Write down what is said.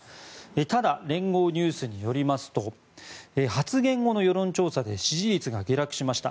ただ、連合ニュースによりますと発言後の世論調査で支持率が下落しました。